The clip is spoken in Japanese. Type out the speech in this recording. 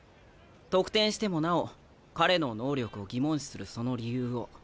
得点してもなお彼の能力を疑問視するその理由を。